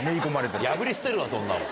破り捨てるわそんなもん。